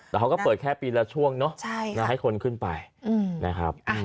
แต่เขาก็เปิดแค่ปีละช่วงเนอะให้คนขึ้นไปนะครับ